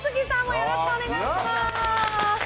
よろしくお願いします。